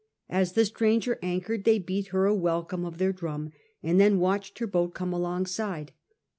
As the stranger anchored they beat her a welcome of their drum, and then watched her boat come alongside.